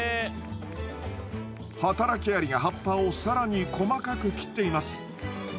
働きアリが葉っぱを更に細かく切っています。